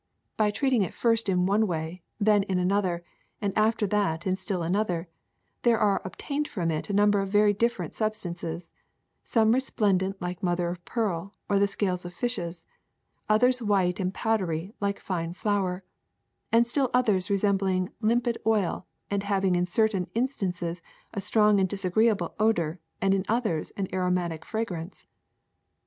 By treating it first in one way, then in an other, and after that in still another, there are ob tained from it a number of very different substances, some resplendent like mother of pearl or the scales of fishes, others white and powdery like fine flour, and still others resembling limpid oil and having in certain instances a strong and disagreeable odor and in others an aromatic fragrance.